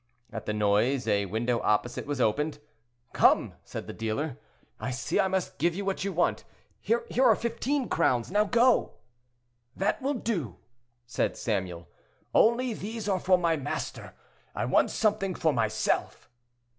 At the noise, a window opposite was opened. "Come," said the dealer; "I see I must give you what you want. Here are fifteen crowns; now go." "That will do," said Samuel; "only these are for my master: I want something for myself."